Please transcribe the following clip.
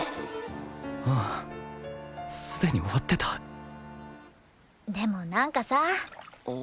うんすでに終わってたでもなんかさ